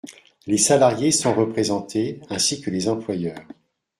Les salariés sont représentés, ainsi que les employeurs.